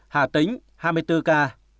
hà tĩnh hai mươi bốn ca